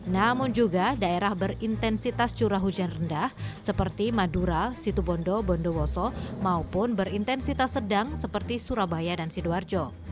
namun juga daerah berintensitas curah hujan rendah seperti madura situbondo bondowoso maupun berintensitas sedang seperti surabaya dan sidoarjo